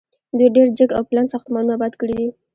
دوی ډیر جګ او پلن ساختمانونه اباد کړي دي.